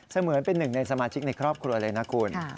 เหมือนเป็นหนึ่งในสมาชิกในครอบครัวเลยนะคุณ